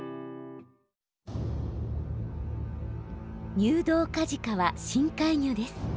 ニュウドウカジカは深海魚です。